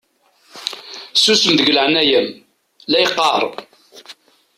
Susem deg leɛnaya-m la yeqqaṛ!